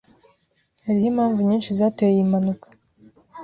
Hariho impamvu nyinshi zateye iyi mpanuka.